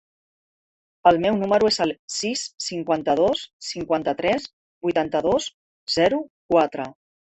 El meu número es el sis, cinquanta-dos, cinquanta-tres, vuitanta-dos, zero, quatre.